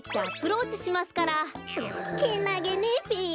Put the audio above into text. けなげねべ。